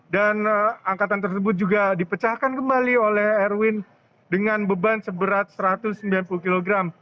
dan angkatan tersebut juga dipecahkan kembali oleh erwin dengan beban seberat satu ratus sembilan puluh kg